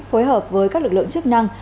phối hợp với các lực lượng chức năng